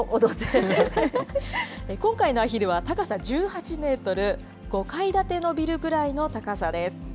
今回のアヒルは高さ１８メートル、５階建てのビルぐらいの高さです。